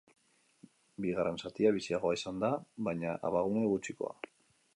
Bigarren zatia biziagoa izan da, baina abagune gutxikoa.